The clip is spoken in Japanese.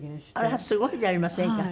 あらすごいじゃありませんか。